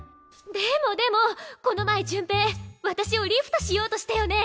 でもでもこの前潤平私をリフトしようとしたよね？